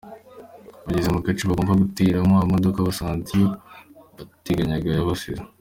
Bageze mu gace bagombaga gutegeramo imodoka basanze iyo bateganyaga yabasize.